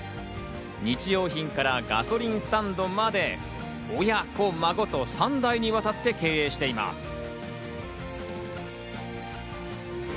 日用品からガソリンスタンドまで、親子、孫と３代にわたって経営しています。